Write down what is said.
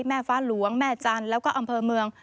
แม่ฟ้าหลวงแม่จันทร์แล้วก็อำเภอเมือง